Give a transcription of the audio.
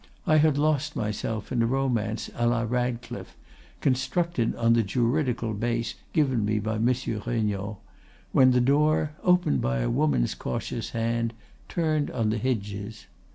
I had lost myself in a romance à la Radcliffe, constructed on the juridical base given me by Monsieur Regnault, when the door, opened by a woman's cautious hand, turned on the hinges.